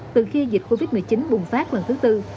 từ khi dịch covid một mươi chín bùng phát lần thứ tư